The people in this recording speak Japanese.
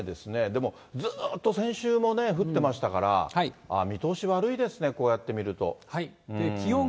でもずっと先週もね、降ってましたから、見通し悪いですね、こうはい。